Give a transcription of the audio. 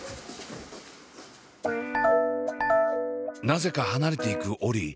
なぜか離れていくオリィ。